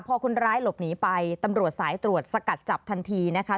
พอคนร้ายหลบหนีไปตำรวจสายตรวจสกัดจับทันทีนะคะ